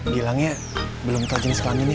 bilangnya belum tau jenis kelaminnya